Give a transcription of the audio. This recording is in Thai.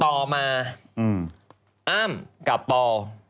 ต่อมากับปอล์